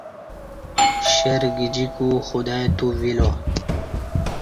شیر گجیکو خدائی تووی لا